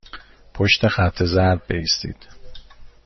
پشت خط زرد بایستید.